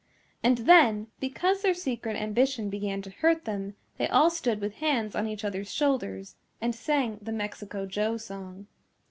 And then because their secret ambition began to hurt them they all stood with hands on each other's shoulders and sang the Mexico Joe song.